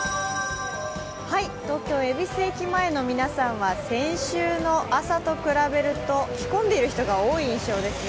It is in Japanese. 東京・恵比寿駅前の皆さんは先週の朝と比べると着込んでいる人が多い印象です。